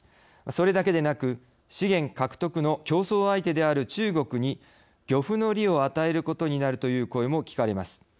それだけでなく資源獲得の競争相手である中国に漁夫の利を与えることになるという声も聞かれます。